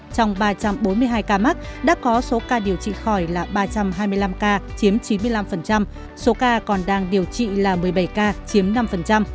trong ba trăm bốn mươi hai ca mắc đã có số ca điều trị khỏi là ba trăm hai mươi năm ca chiếm chín mươi năm số ca còn đang điều trị là một mươi bảy ca chiếm năm